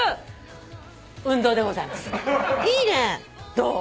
どう？